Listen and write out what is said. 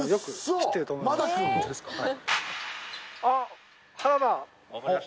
あっ！